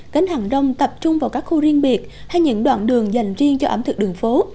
cánh hàng đông tập trung vào các khu riêng biệt hay những đoạn đường dành riêng cho ẩm thực đường phố